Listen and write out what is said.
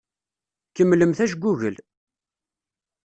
Kemmlemt ajgugel.